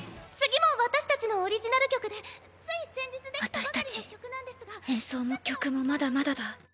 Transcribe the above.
私たち演奏も曲もまだまだだ。